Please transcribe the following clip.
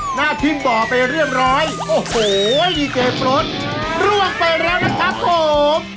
หน้าที่บ่อเป็นเรื่องร้อยโอ้โหดีเกย์โปรดร่วงเปิดแล้วนะครับผม